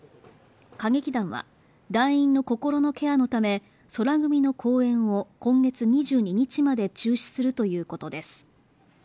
歌劇団は、団員の心のケアのため、宙組の公演を今月２２日まで中止するということです。